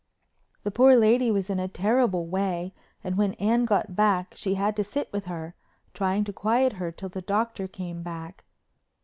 The poor lady was in a terrible way and when Anne got back she had to sit with her, trying to quiet her till the Doctor came back.